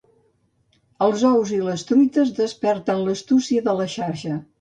Els ous i les truites desperten l'astúcia de la xarxa.